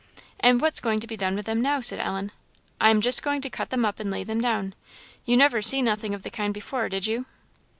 "And what's going to be done with them now?" said Ellen. "I am just going to cut them up and lay them down. You never see nothing of the kind before, did you?"